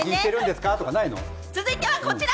続いてはこちら！